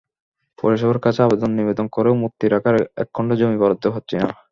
পৌরসভার কাছে আবেদন–নিবেদন করেও মূর্তি রাখার একখণ্ড জমি বরাদ্দ পাচ্ছি না।